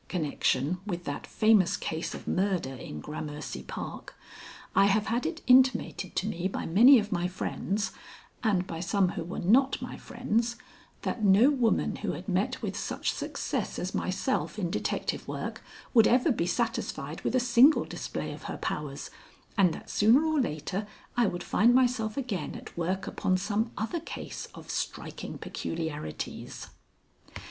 connection with that famous case of murder in Gramercy Park, I have had it intimated to me by many of my friends and by some who were not my friends that no woman who had met with such success as myself in detective work would ever be satisfied with a single display of her powers, and that sooner or later I would find myself again at work upon some other case of striking peculiarities.